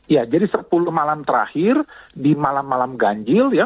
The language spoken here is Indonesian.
ya jadi sepuluh malam terakhir di malam malam ganjil ya